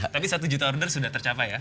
tapi satu juta order sudah tercapai ya